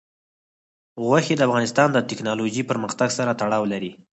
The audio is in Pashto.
غوښې د افغانستان د تکنالوژۍ پرمختګ سره تړاو لري.